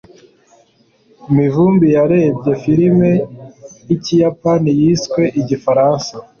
Mivumbi yarebye filime yikiyapani yiswe igifaransa.